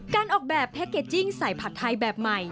การออกแบบแพ็คเกจจิ้งใส่ผัดไทยแบบใหม่